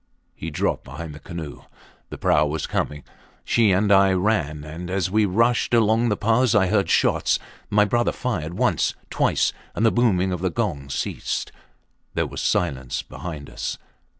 He dropped behind the canoe. The prau was coming. She and I ran, and as we rushed along the path I heard shots. My brother fired once twice and the booming of the gong ceased. There was silence behind us.